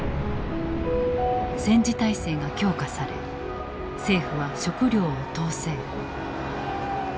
戦時体制が強化され政府は食糧を統制。